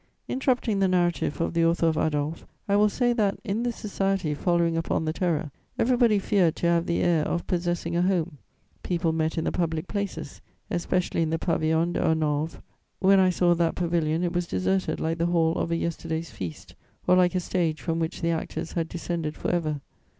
Interrupting the narrative of the author of Adolphe, I will say that, in this society following upon the Terror, everybody feared to have the air of possessing a home. People met in the public places, especially in the Pavillon de Hanovre: when I saw that pavilion, it was deserted like the hall of a yesterday's feast, or like a stage from which the actors had descended for ever.